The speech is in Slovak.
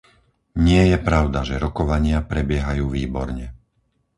Nie je pravda, že rokovania prebiehajú výborne.